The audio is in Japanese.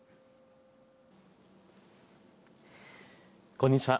こんにちは。